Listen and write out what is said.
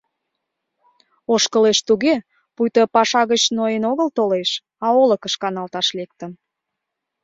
Ошкылеш туге, пуйто паша гыч ноен огыл толеш, а олыкыш каналташ лектын.